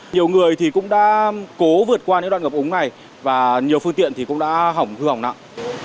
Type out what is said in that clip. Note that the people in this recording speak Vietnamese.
nhiều người thì cũng đã cố vượt qua những đoạn ngập ống này và nhiều phương tiện thì cũng đã hỏng hưởng nặng